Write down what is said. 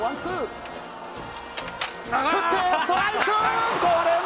打って、ストライク！